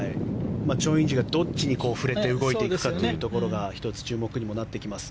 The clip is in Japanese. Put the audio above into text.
チョン・インジがどっちに振れて動いていくかというところが１つ注目になってきます。